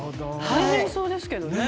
大変そうですけどね。